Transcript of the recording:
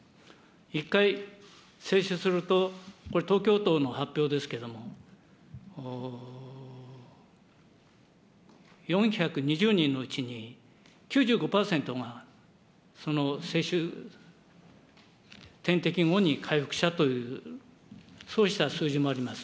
１回接種すると、これ、東京都の発表ですけれども、４２０人のうちに９５％が、その接種点滴後に回復したという、そうした数字もあります。